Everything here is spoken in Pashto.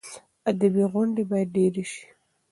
ادبي غونډې باید ډېرې شي.